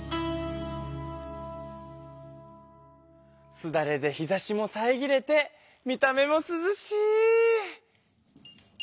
すだれで日ざしもさえぎれて見た目もすずしい！